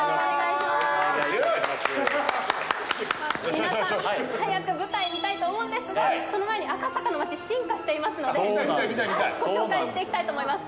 皆さん早く舞台見たいと思うんですがその前に赤坂の街進化していますので見たい見たい見たい見たいご紹介していきたいと思います